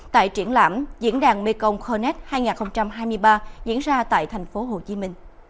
tại triển lãm diễn đàn mekong connect hai nghìn hai mươi ba diễn ra tại tp hcm